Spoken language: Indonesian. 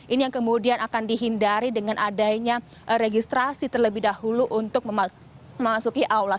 ini yang kemudian akan dihindari dengan adanya registrasi terlebih dahulu untuk memasuki aula